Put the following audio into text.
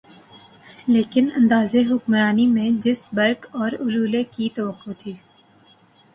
لیکن انداز حکمرانی میں جس برق اورولولے کی توقع تھی۔